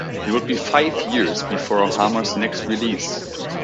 It would be five years before Harmer's next release.